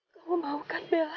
kamu mau kan bella